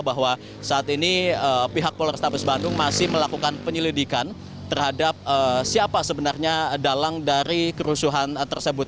bahwa saat ini pihak polrestabes bandung masih melakukan penyelidikan terhadap siapa sebenarnya dalang dari kerusuhan tersebut